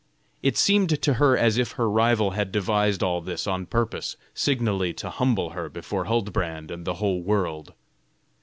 It seemed to her as if her rival had devised all this on purpose signally to humble her before Huldbrand and the whole world.